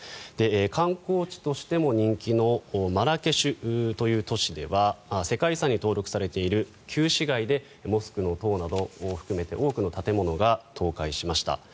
観光地としても人気のマラケシュという都市では世界遺産に登録されている旧市街でモスクの塔などを含めて多くの建物が倒壊しました。